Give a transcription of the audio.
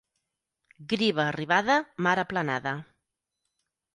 Griva arribada, mar aplanada.